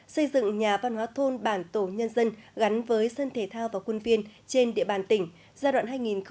xây dựng nhà văn hóa thôn bản tổ nhân dân gắn với sân thể thao và quân viên trên địa bàn tỉnh giai đoạn hai nghìn một mươi bốn hai nghìn hai mươi